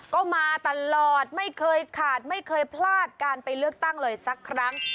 ก็มาตลอดไม่เคยขาดไม่เคยพลาดการไปเลือกตั้งเลยสักครั้ง